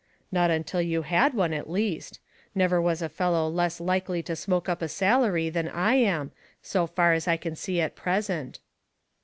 ''Not until you had one at least. Never was a fellow less likely to smoke up a salary than I am, so far as I can see at present."